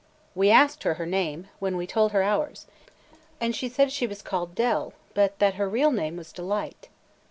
"We asked her her name, when we told her ours, and she said she was called Dell, but that her real name was Delight."